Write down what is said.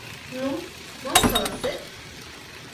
— Ну, мом каласет?